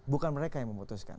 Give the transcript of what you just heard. bukan mereka yang memutuskan